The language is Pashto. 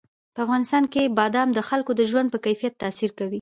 په افغانستان کې بادام د خلکو د ژوند په کیفیت تاثیر کوي.